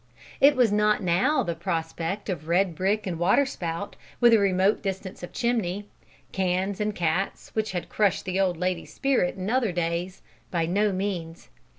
It was not now the prospect of red brick and water spout, with a remote distance of chimney cans and cats, which had crushed the old lady's spirit in other days by no means.